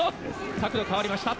角度が変わりました。